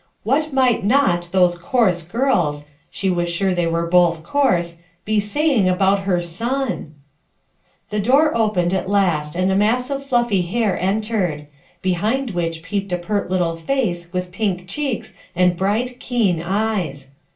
What might not those coarse girls — she WOULD SHE "DO' 49 W as sure they were both coarse— be saybg about her son ! The door opened at last and a mass of fluffy hair entered ; behind which peeped a pert little face with pink cheeks and bright, keen eyes.